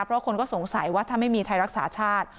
เพราะคนก็สงสัยว่าถ้าไม่มีไทยรักษาชาติ